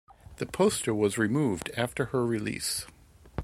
The poster was removed after her release.